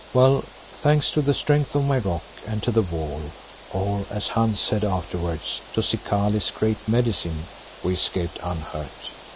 Well, thanks to the strength of my rock and to the wall, or as Hans said afterwards, to Zikali's Great Medicine, we escaped unhurt.